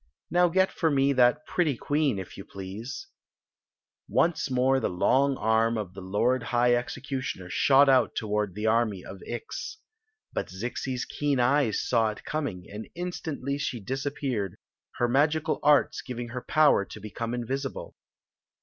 " Now get for me that pretty queen, if you please." Once more the loi^ ipn the kid high execu tioner shot out toward army of Ix. But Zixi's 173 Qu^n Zixi of Ix keen eyes saw it coming, and instantly she disap peared, her magical arts giving her power to become invisible.